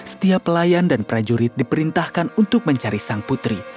setiap pelayan dan prajurit diperintahkan untuk mencari sang putri